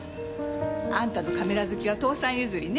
あんたのカメラ好きは父さん譲りね。